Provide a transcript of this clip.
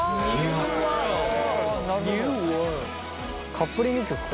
カップリング曲か。